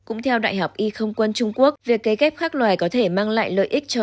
cũng theo đại học y không quân trung quốc việc kế ghép các loài có thể mang lại lợi ích cho